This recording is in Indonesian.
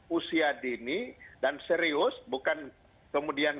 usia dini dan serius bukan kemudian